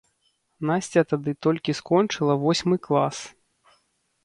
Насця тады толькі скончыла восьмы клас.